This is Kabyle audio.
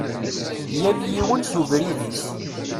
Yal yiwen s ubrid-is.